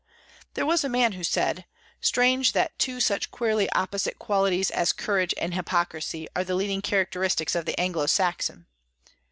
There was a man who said: Strange that two such queerly opposite qualities as courage and hypocrisy are the leading characteristics of the Anglo Saxon!